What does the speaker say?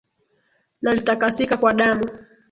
Nalitakasika kwa damu,